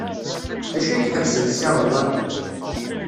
D acu ay iḥebsen Si Remḍan?